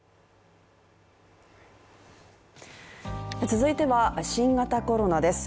続いては新型コロナです。